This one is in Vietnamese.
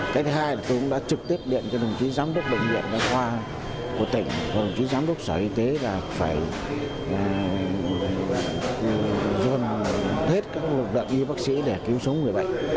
cái thứ hai là tôi cũng đã trực tiếp điện cho đồng chí giám đốc bệnh viện đa khoa của tỉnh và đồng chí giám đốc sở y tế là phải đưa hết các lực lượng y bác sĩ để cứu sống người bệnh